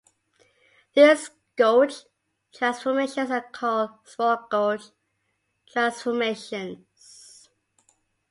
These gauge transformations are called small gauge transformations.